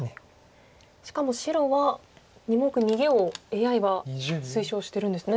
しかも白は２目逃げをＡＩは推奨してるんですね。